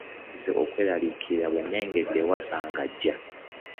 Ntandise okweraliikirira bwe nnengedde Wasswa ng'ajja.